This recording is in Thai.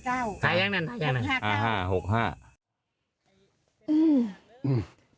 หลังนั้น